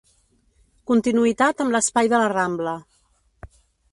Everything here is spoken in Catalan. Continuïtat amb l'espai de la Rambla.